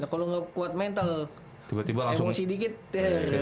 kalau nggak kuat mental emosi dikit